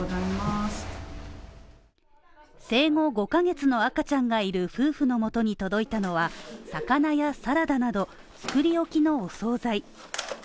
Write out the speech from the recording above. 生後５カ月の赤ちゃんがいる夫婦のもとに届いたのは魚やサラダなど作り置きのお総菜。